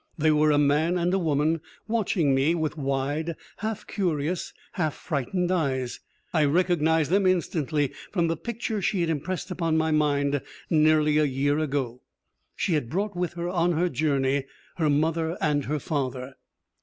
They were a man and a woman, watching me with wide, half curious, half frightened eyes. I recognized them instantly from the picture she had impressed upon my mind nearly a year ago. She had brought with her on her journey her mother and her father.